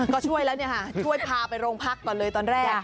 ก็ช่วยแล้วเนี่ยค่ะช่วยพาไปโรงพักก่อนเลยตอนแรก